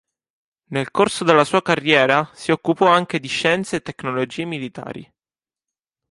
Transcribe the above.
Nel corso della sua carriera si occupò anche di scienze e tecnologie militari.